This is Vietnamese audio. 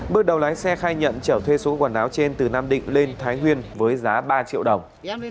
bước đầu lái xe khai nhận trở thuê số quần áo trên từ nam định lên thái nguyên với giá ba triệu đồng